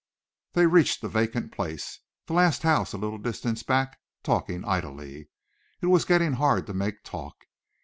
They reached a vacant place the last house a little distance back talking idly. It was getting hard to make talk.